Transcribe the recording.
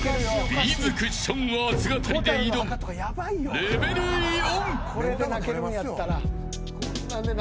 ビーズクッション熱語りで挑むレベル４。